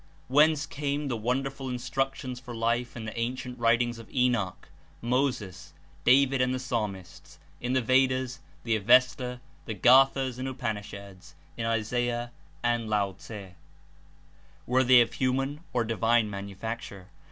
Whence came the wonderful instructions for life in the ancient writings of Enoch, Moses, David and the Psalmists, in the Vedas, the Avesta, the Gathas and Upanishads, in Isaiah and Lao Tse? Were they of Origins human or divine manufacture?